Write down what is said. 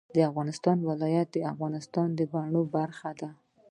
د افغانستان ولايتونه د افغانستان د بڼوالۍ برخه ده.